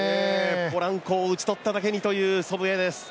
ポランコを打ち取っただけにという、先手です。